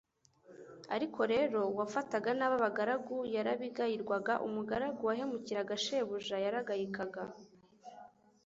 Ariko rero kandi uwafataga nabi abagaragu yarabigayirwaga; umugaragu wahemukiraga shebuja yaragayikaga.